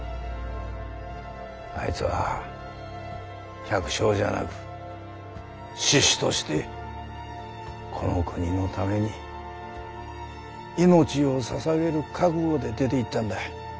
あいつは百姓じゃなく志士としてこの国のために命をささげる覚悟で出ていったんだい。